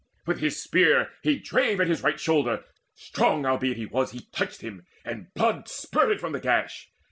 With his spear he drave At his right shoulder: strong albeit he was, He touched him, and blood spurted from the gash.